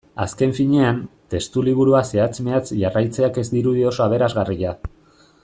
Azken finean, testuliburua zehatz-mehatz jarraitzeak ez dirudi oso aberasgarria.